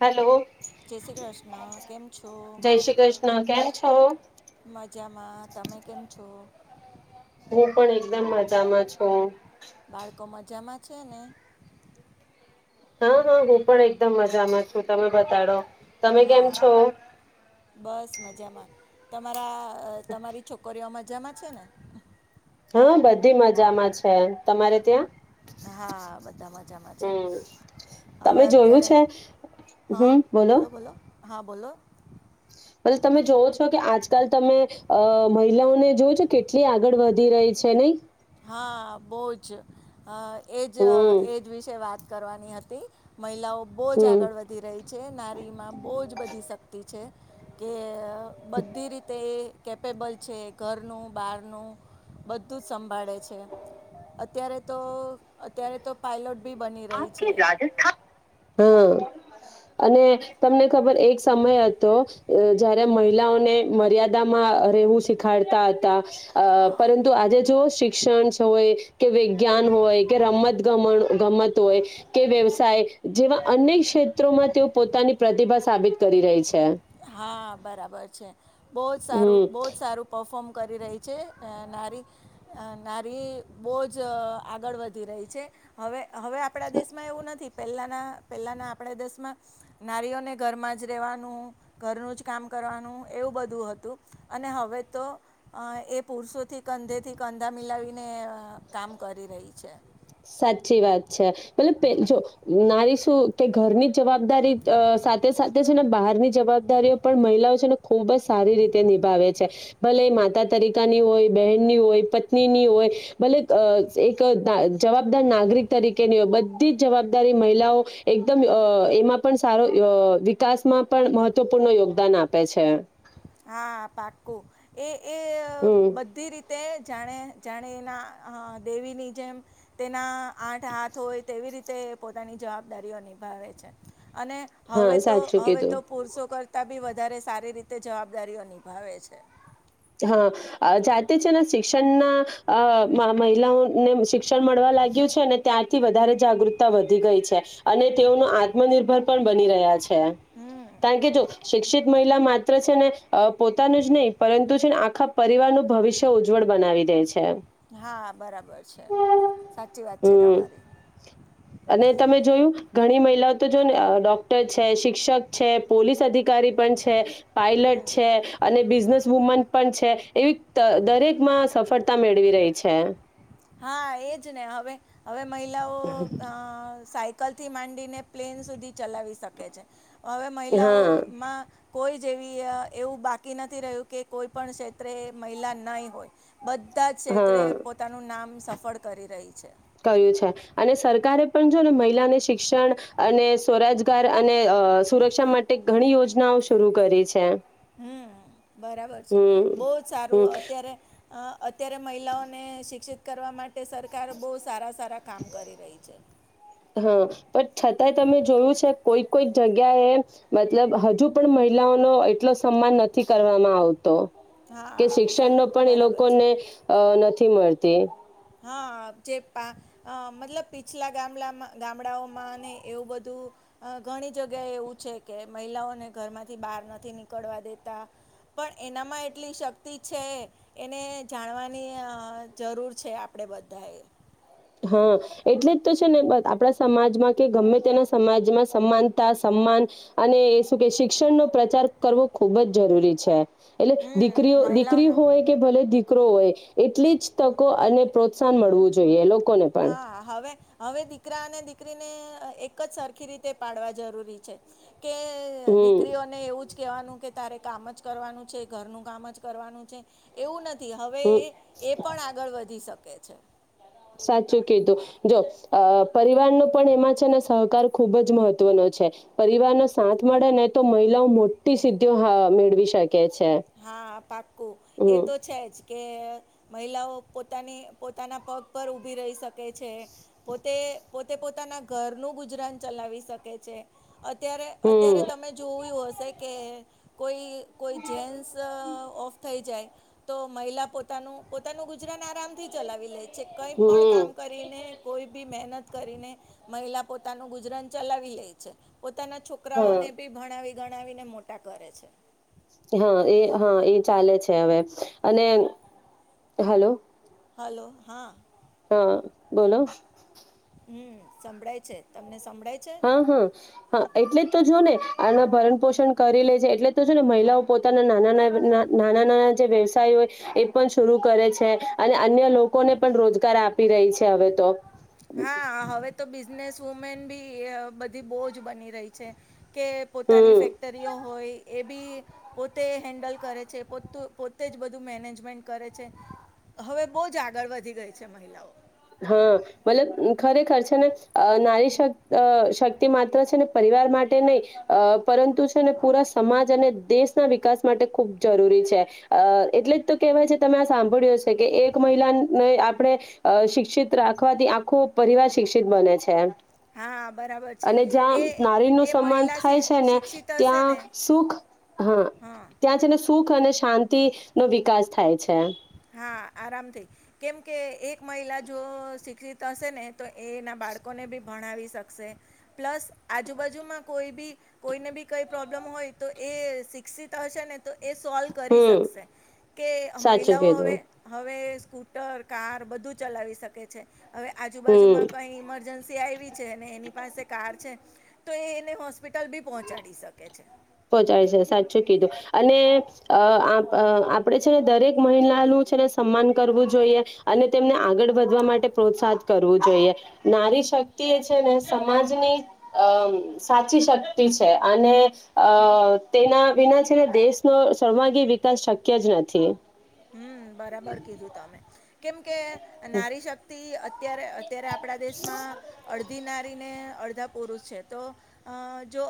Hello જય શ્રી કૃષ્ણ કેમ છો જય શ્રી કૃષ્ણ કેમ છો મજામાં તમે કેમ છો માં છું બાળકો મજામાં છે ને હા હા હું પણ એકદમ મજામાં છું તમે બતાડો તમે કેમ હા છો બસ મજામાં તમારા અ તમારી છોકરીઓમાં જમા છે ને હ બધી મજામાં છે તમારે ત્યાં હા બધા મજામાં છે હમ હવે તમે જોયું અત્યારે છે હા બોલો બોલો હા બલો બ તમે જોવ છો કે આજકાલ તમે અ મહિલાઓને જોવ છો કેટલી આગળ વધી રહી છે નહી હા બહ જ હ એ જ હમ એ જ વિશે વાત કરવાની હતી મહિલાઓ બહુ જ હમ આગળ વધી રહી છે નારી માં બહુ જ બધી શક્તિ છે કે બધી રીતે કેપેબલ છે ઘરનું બહારનું બધું જ સમ ે છે અત્યારે તો અત્યારે તો પાયલોટ ભી બની રહી છે રાજસ્થાન હમ અને તમને ખબર એક સમય હતો જયારે મહિલાઓને મર્યાદામાં રહેવું શીખાડતા હતા અ પરંતુ આજે જો શિક્ષણ હોય કે વિજ્ઞાન હોય કે રમત ગ ગમત હોય કે વ્યવસાય જેવા અનેક ક્ષેત્રોમાં તેઓ પોતાની પ્રતિભા સાબિત કરી રહી છે હા બરાબર છે બહુ જ સારું હમ બહુ સારું પરફોર્મ કરી રહી છે નારી નારી બહુ જ આગળ વધી રહી છે હવે હવે આપણા દેશમાં એવું નથી પહેલાના પહેલાના આપણા દેશમાં નારીઓને ઘરમાં જ રહેવાનું ઘરનું જ કામ કરવાનું એવું બધું હતું અને હવે તો એ પુરુષોથી કંધેથી ક મિલાવીને કામ કરી રહી છે સાચી વાત છે મતલ જો નારી શું કે ઘરમ જવાબદારી સાથે સાથે છે ને બહારની જવાબદારીઓ પણ મહિલાઓ છે ને ખૂબ જ સારી રીતે નિભાવે છે ભલે માતા તરીકાની હોય બહેનની હોય પત્નીની હોય ભલે એક જવાબદાર નાગરિક તરીકેની હોય બધી જ જવાબદારી મહિલાઓ એકદમ એમાં પણ સારો વિકાસમાં પણ મહત્વપૂર્ણ યોગદાન આપે છે હા પાકું એ એ હમ બધી રીતે જાણે જાણે એના દેવીની જેમ તેના આઠ હાથ હોય તેવી રીતે તે પોતાની જવાબદારીઓ નિભાવે છે અને હા હવે તો સાચું હવે કીધું તો પુરસો કર બી વધારે સારી રીતે જવાબદારીઓ નિભાવે છે હા જાતે છે ને શિક્ષણના મહિલાઓને શિક્ષણ મળવા લાગ્યું છે ત્યાારથી વધારે જાગૃતતા વધી ગઈ છે અને તેઓનું આત્મનિર્ભર પણ બની રહ્યા છે ત હમ કે જો શિક્ષિત મહિલા માત્ર છે ને પોતાનું જ નહીં પરંતુ છે ને આખા પરિવારનું ભવિષ્ય ઉજ્જવળ બનાવી દે છે હા બરાબર છે સાચી વાત છે હમ તમારી અને તમે જોયું ઘણી મહિલાઓ તો જો ને ડોક્ટર છે શિક્ષક છે પોલીસ અધિકારી પણ છે પાયલટ હમ છે અને બિઝનેસ વુમન પણ છે એવી દરેકમાં સફળતા મેળવી રહી છે હા એજ ને હવે હવે મહિલાઓ અ સાઈટ કલ થી માંડીને પ્લેન સુધી ચલાવી શકે છે હવે હા મહિલાઓમાં કોઈ જેવી એવું બાકી નથી રહ્યું કે કોઈ પણ ક્ષેત્રે મહિલા નહી હોય બધા જ ક્ષેત્રે હા પોતાનું નામ સફળ કરી રહી છે ક્યું છે અને સરકારે પણ જો ને મહિલાને શિક્ષણ અને સ્વરોજગાર અને સુરક્ષા માટે ઘણી યોજનાઓ શરૂ કરી છે હમ બરાબર છે હમ બહુ જ સારું હમ અત્યારે અ અત્યારે મહિલાઓને શિક્ષિત કરવા માટે સરકાર બહુ સારો હા પણ છતાંય તમે જોયું છે કોઈક કોઈક જગ્યા એ મતલબ હજુ પણ મહિલાઓનો એટલો સન્માન નથી કરવામાં આવતો તો હા કે શિક્ષણ સ- નો પણ એ બરાબર છે લોકોને નથી નથી મળતી હા જે પા મતલબ પીછલા ગામલામાં ગામડાઓમાં ને એવું બધું ઘણી જગ્યાએ એવું છે કે મહિલાઓને ઘરમાંથી બહાર નથી નીકળવા દેતા પણ એનામાં એટલી શક્તિ છે એને જાણવાની જરૂર છે આપ આપણે બધાએ હા એટલે જ તો છે ને આપણા સમાજમાં કે ગમે તેના સમાજમાં સમાનતા સમાન અને શું કે શિક્ષણનો પ્રચાર કરવો ખૂબ જ જરૂરી છે એટલે હમ દીકરીઓ દીકરી મહિલાઓના હોય કે ભલે દીરી દીકરો હોય એટલી જ તકો અને પ્રોત્સાહન મળવું જોઈએ લોક હા હવે હવે દીકરા અને દીકરીને એક જ સરખી રીતે પાડવા જરૂરી છે કે હમ દીકરીઓને એવું જ કેવાનું કે તારે કામ જ કરવાનું છે ઘરનું કામ જ કરવાનું છે એવું નથી હવે હમ એ પણ આગળ વધી શકે કે છે સાચું કીધું જો પરિવાર નુ પણ એમાં છે ને સહકાર ખુબ જ મહત્વનો છે. પરિવાર નો સાથ મળે ને તો મહિલાઓ મોટી સિદ્ધિઓ મેળવી શકે. છે હા પાક્કું એ હમ તો છે જ કે મહિલાઓ પોતાની પોતાના પગ પર ઊભી રહી શકે છે પોતે પોતે પોતાના ઘરનું ગુજરાન ચલાવી શકે છે અત્યારે અત્યારે હમ તમે જોયું હશે હે કે કોઈ. કોઈ જેન્સ અ ઓફ થાઈ જાય તો મહિલા પોતાનું પોતાનું ગુજરાન આરામ થી ચલાવી લે જે કંઈ પણ હમ કામ કરીને કોઈ બી મહેનત કરીને, મહિલા પોતાનું ગુજરન ચલાવી લે છે. પોતાના હા છોકરાઓને બી ભણાવી ગણાવીને મોટા કરે છે. હા એ હા એ ચાલે છે હવે, અને હલો. હલો હા. હા બોલો. હમ સંભળાય છે. સંભળાય છે? હા હા. હા એટલે જ તો જો ને આના ભરણ પોષણ કરી લે છે એટલે તો જો ને મહિલાઓ પોતાના નાના નાના નાના જે વ્યવસાય હોય, એ પણ શરૂ કરે છે, અને અન્ય લોકોને પણ રોજગાર આપી રહી છે હવે તો. હા હવે તો બિઝનેસ વુમેન બી બધી બહુજ બની રહી છે. કે પોતાની હમ ફેક્ટરીઓ હોય. એ બી, પોતે હેન્ડલ કરે છે પો પોતે જ બધું મેનેજમેન્ટ કરે છે, હવે બહુ જ આગળ વધી ગઈ છે મહિલાઓ. હા, મતલબ ખરેખર છે ને નારી શક્ શક્તિ માત્ર છે ને પરિવાર માટે નહી, પરંતુ છે ને પૂરા સમાજ અને દેશના વિકાસ માટે ખૂબ જરૂરી છે, અ એટલે જ તો કેહેવાય છે તમે આ સાંભળ્યો છે કે એક મહિલાને આપણે, શિક્ શિક્ષિત રાખવાથી આખો પરિવાર શિક્ષિત બને છે. હા બરાબર છે. અને જ્યાં એ નારી નું એ સન્માન મહિલા થાય શિ- છે ને, શિક્ષિત હશે ત્યાં ને સુખ હા ત્યાં છે ને સુખ અને શાંતિ નો વિકાસ થાય છે. હા આરામથી, કેમકે એક મહિલા જો શિક્ષિત હશે ને તો એના બાળકોને બી ભણાવી શકશે, પ્લસ આજુબાજુમાં કોઈ બી કોઈને બી કંઈ પ્રોબ્લેમ હોય તો એ શિક્ષિત હશે ને તો એ સોલ્વ કરી હમ શકશે, કે સાચું મહિલાઓ હવે કીધું હવે સ્કૂટર કાર બધું ચલાવી શકે છે. હવે હમ આજુબાજુમાં કઈ ઈમરજન્સી તે આઈવી છે અને એની પાસે કાર છે. તો એ એને હોસ્પિટલ બી પહોંચાડી શકે છે. પહોંચાડ છે સાચું કીધું, અને આપણેે છેને દરેક મહિલાનું છેને સન્માન કરવું જોઈએ, અને તેમને આગળ વધવા માટે પ્રોત્સાહિત કરવું જોઈએ, નારી શક્તિ એ છે ને સમાજની અ સાચી શક્તિ છે, અને અ તેના વિના છે દેશનો સર્માગી વિકાસ શક્ય જ નથી. હમ બરાબર કીધું તમે. કેમ કે નારી શક્તિ અત્યારે અત્યારે આપણા દેશમાં, અડધી ના ડધા પુરુષ છે, તો જો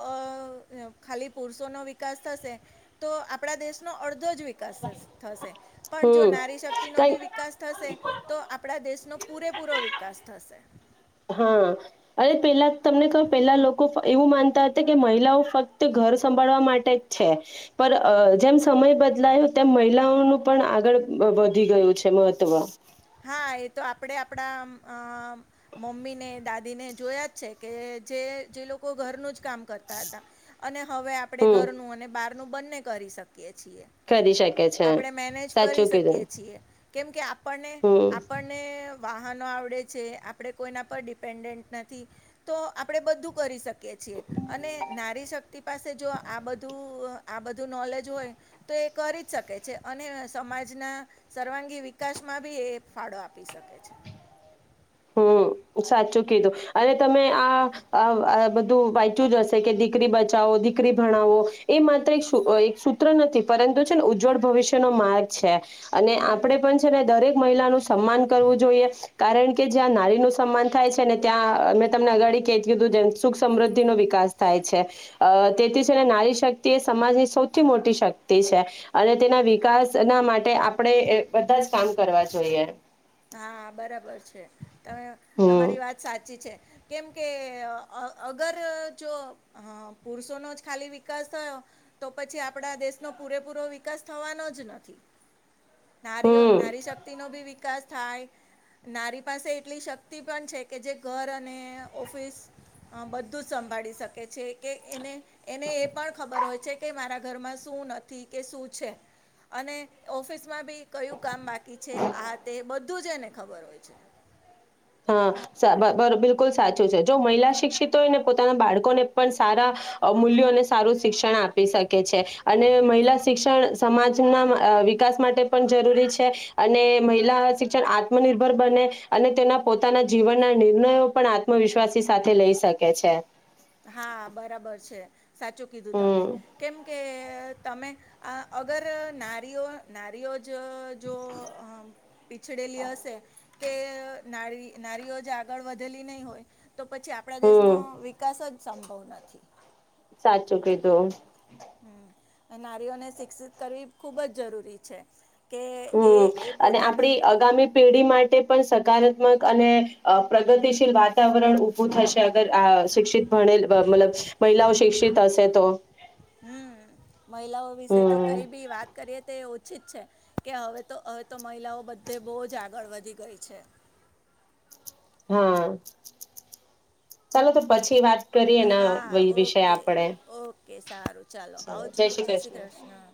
ખાલી પુરષો નો વિકાસ થશે, તો આપણા દેશનો અડધ બધો જ વિકાસ થશે. પણ જો હમ નારી શક્તિ નો કઈ ભી વિકાસ થશે, તો આપણા દેશ દેશનો પૂરેપૂરો વિકાસ થશે. હા, અરે પેલા તમને કહું પેલા લોકો એવું માનતા હતા કે મહિલાઓ ફક્ત ઘર સંભાળવા માટે જ છે પણ જેમ સમય બદલાયો તેમ મહિલાઓનું પણ આગળ વધી ગયું છે. મહત્વ હા એ તો આપડે આપડા મમ્મીને દાદીને જોયા જ છે કે જે જે લોકો ઘરનું જ કરતા હતા અને હવે આપણે હમ ઘરનું બ નું બંન્ને કરી શકે. કરી શકે છે આપણે મેનેજ કરી સાચું કીધું શકીએ છીએ કેમ કે આપણને હમ આપણને વાહનો આવડે છે આપણે કોઈના પર ડિપેન્ડન્ટ નથી તો આપણે બધું કરી શકીએ છીએ અને નારી શક્તિ પાસે જો આ બધું આ બધું નોલેજ હોય તો એ કરી જ શકે છે અને સમાજના સર્વાંગી વિકાસમાં બી એ ફાળો આપી શકે છે હમ સાચું કીધું અને તમે આ બધું વાંચું જ હશે કે દીકરી બચાવો દીકરી ભણાવો એ માત્ર એક એક સૂત્ર નથી પરંતુ છે ને ઉજ્જવળ ભવિષ્ય નો માર્ગ છે અને હમ આપડે પણ છે ને દરેક મહિલાનું સન્માન કરવું જોઈએ કારણ કે કે જ્યાં નારીનુંું સન્માન થાય છે ને ત્યાં મેં તમને અગાડી કેતી હતું જે સુખ સમૃદ્ધિ નો વિકાસ થાય છે તેથી છે ને નારી શક્તિ એ સમાજની સૌથી મોટી શક્તિ છે અને તેના વિકાસ ના માટે આપણે બધા જ કામ કરવા જોઈએ હા બરાબર છે તમે હમ તમારી વાત સાચી છે કેમ કે અગર જો પુરુષોનોો જ ખાલી વિકાસ થયો તો પછી આપણા દેશનો પૂરેપૂરો વિકાસ થવાનો જ નથી નારીઓ હમ નારી શક્તિ નો ભી વિકાસ થાય નારી પાસે એટલી શક્તિ પણ છે કે જે ઘર અને ઓફિસ બધું જ સંભાળી શકે છે કે એને એને એ પણ ખબર હોય છે કે મારા ઘરમાં શું નથી કે શું છે અને ઓફિસમાં બી કયું કામ બાકી છે આ તે બધું જ એને ખબર હોય છે હા બિલકુલ સાચું છે જો મહિલા શિક્ષિતોયને પોતાના બાળકોને પણ સારા મૂલ્યો અને સારું શિક્ષણ આપી શકે છે અને મહિલા શિક્ષણ સમાજના વિકાસ માટે પણ જરૂરી છે અને મહિલા શિક્ષણ આત્મનિર્ભર બને અને તેના પોતાના જીવનના નિર્ણયો પણ આત્મવિશ્વાસી સાથે લઈ શકે છે હા બરાબર છે સાચું કીધું તમે હમ કેમ કે તમે આ અગર નારીઓ નારીઓ જો પીછડેલી હશે કે નારી નારીઓ જ આગળ વધેલી નહી હોય તો પછી આપણા દેશનો હમ સંભવ નથી. સાચું કીધું હમ નારીઓને શિક્ષિત કરવી ખૂબ જ જરૂરી છે કે હમ એ એ અને પોતાના આપડી આગામી પેઢી માટે પણ સકારાત્મક અને પ્રગતિશીલ વાતાવરણ ઉભું થશે શ મહલા શિક્ષિત હશે તો હમ મહિલાઓ વિશે તો હમ કઈ બી વાત કરીએ તે છે કે હવે તો હવે તો મહિલાઓ બધે બહુ જ આગળ વધી ગઈ છે હા ચાલો તો પછી વાત કરીએ એના હા વિષય ઓકે આપણે ઓકે સારું ચાલો આવજ જય શ્રી કૃષ્ણ